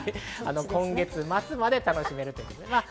今月末まで楽しめるということです。